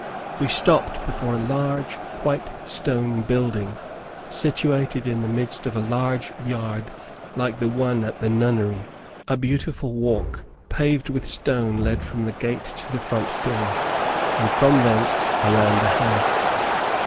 We stopped before a large white stone building, situated in the midst of a large yard like the one at the nunnery. A beautiful walk paved with stone, led from the gate to the front door, and from thence, around the house.